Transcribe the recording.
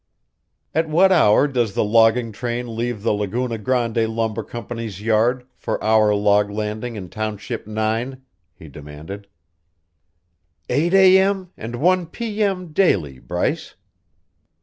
"At what hour does the logging train leave the Laguna Grande Lumber Company's yard for our log landing in Township Nine?" he demanded. "Eight a.m. and one p.m. daily, Bryce."